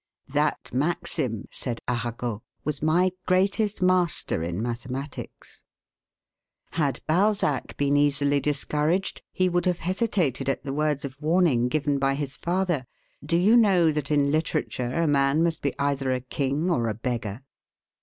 "That maxim," said Arago, "was my greatest master in mathematics." Had Balzac been easily discouraged he would have hesitated at the words of warning given by his father: "Do you know that in literature a man must be either a king or a beggar?"